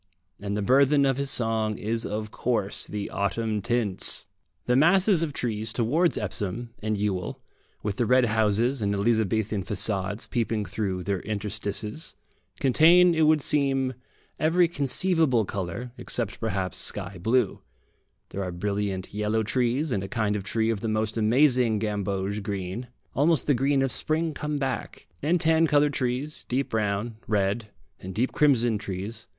And the burthen of his song is of course the autumn tints. The masses of trees towards Epsom and Ewell, with the red houses and Elizabethan façades peeping through their interstices, contain, it would seem, every conceivable colour, except perhaps sky blue; there are brilliant yellow trees, and a kind of tree of the most amazing gamboge green, almost the green of spring come back, and tan coloured trees, deep brown, red, and deep crimson trees.